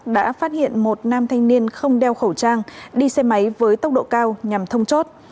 đã phát hiện một nam thanh niên không đeo khẩu trang đi xe máy với tốc độ cao nhằm thông chốt